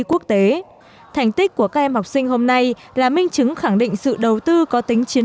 quốc tế thành tích của các em học sinh hôm nay là minh chứng khẳng định sự đầu tư có tính chiến